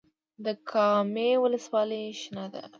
د کامې ولسوالۍ شنه ده